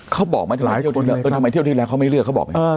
เขาบอกไหมทำไมเที่ยวที่แล้วเขาไม่เลือกเขาบอกไหม